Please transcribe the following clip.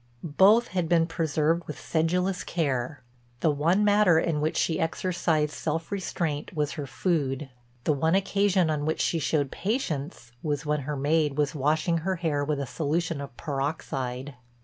Both had been preserved with sedulous care: the one matter in which she exercised self restraint was her food, the one occasion on which she showed patience was when her maid was washing her hair with a solution of peroxide.